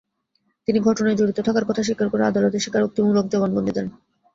তিনি ঘটনায় জড়িত থাকার কথা স্বীকার করে আদালতে স্বীকারোক্তিমূলক জবানবন্দি দেন।